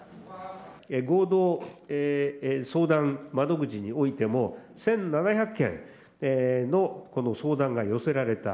合同相談窓口においても、１７００件の相談が寄せられた。